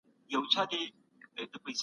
هیڅوک باید ګواښ ته نه پرېښودل کېږي.